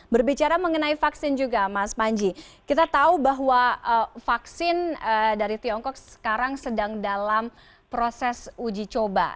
berbicara mengenai vaksin juga mas panji kita tahu bahwa vaksin dari tiongkok sekarang sedang dalam proses uji coba